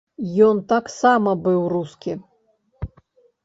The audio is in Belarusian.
Ён таксама быў рускі.